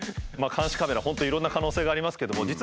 監視カメラ本当いろんな可能性がありますけども